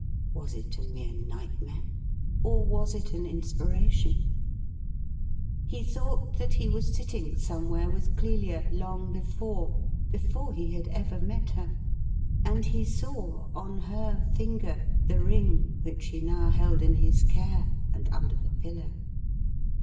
Was it a mere night mare ? or was it an inspiration ? He thought that he was sitting somewhere with Clelia, long before — ^before he had ever met her — and he saw on her finger the ring which he now held in his cai'e, and under the pillow.